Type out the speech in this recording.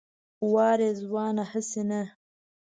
وا رضوانه هسې نه.